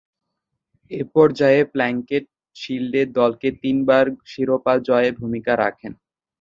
এ পর্যায়ে প্লাঙ্কেট শীল্ডে দলকে তিনবার শিরোপা জয়ে ভূমিকা রাখেন।